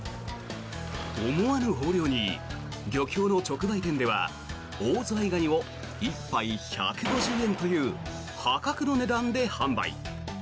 思わぬ豊漁に漁協の直売店ではオオズワイガニを１杯１５０円という破格の値段で販売。